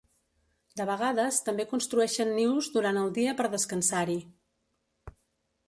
De vegades, també construeixen nius durant el dia per descansar-hi.